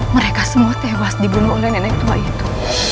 mereka semua tewas dibunuh oleh nenek tua itu